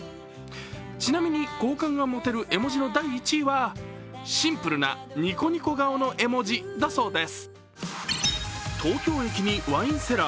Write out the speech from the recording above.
ちなみに好感が持てる絵文字の第１位はシンプルなニコニコ顔の絵文字だそうです。